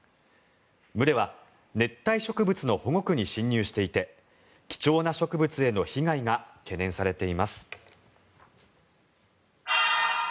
群れは熱帯保護区に侵入していて貴重な植物への被害が懸念されています。